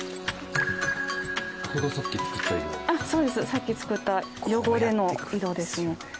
さっき作った汚れの色ですね。